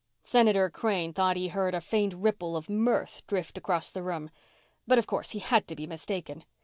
Senator Crane thought he heard a faint ripple of mirth drift across the room. But, of course, he had to be mistaken.